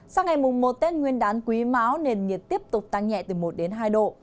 sang ngày mùng một tết nguyên đán quý máu nền nhiệt tiếp tục tăng nhẹ từ một đến hai độ